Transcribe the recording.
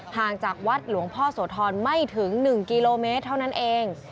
ห่างจากวัดหลวงพ่อโสธรไม่ถึง๑กิโลเมตรเท่านั้นเอง